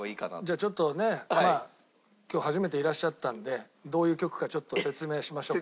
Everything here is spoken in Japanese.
じゃあちょっとね今日初めていらっしゃったんでどういう曲かちょっと説明しましょうか。